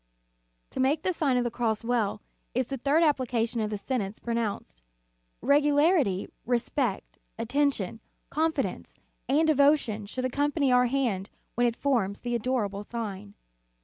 To make the Sign of the Cross well, is the third application of the sentence pronounced. Regularity, respect, attention, confidence, and devotion should accompany our hand when it forms the adorable sign.